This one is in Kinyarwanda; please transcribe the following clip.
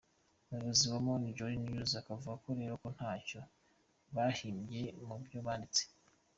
» Umuyobozi wa Mont Jali News akavuga rero ko ntacyo bahimbye mu byo banditse.